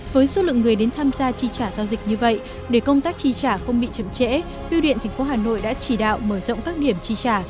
giao dịch như vậy để công tác chi trả không bị chậm trễ biêu điện tp hà nội đã chỉ đạo mở rộng các điểm chi trả